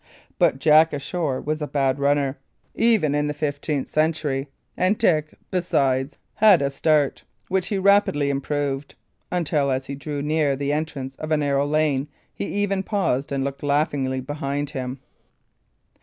But Jack ashore was a bad runner, even in the fifteenth century, and Dick, besides, had a start, which he rapidly improved, until, as he drew near the entrance of a narrow lane, he even paused and looked laughingly behind him.